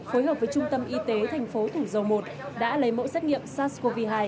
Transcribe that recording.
phối hợp với trung tâm y tế thành phố thủ dầu một đã lấy mẫu xét nghiệm sars cov hai